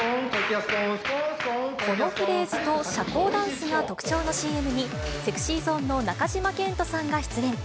このフレーズと社交ダンスが特徴のＣＭに、ＳｅｘｙＺｏｎｅの中島健人さんが出演。